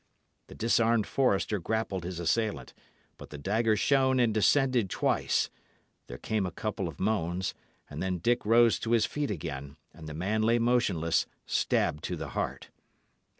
The disarmed forester grappled his assailant; but the dagger shone and descended twice. Then came a couple of groans, and then Dick rose to his feet again, and the man lay motionless, stabbed to the heart.